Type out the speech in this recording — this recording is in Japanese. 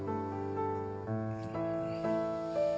うん。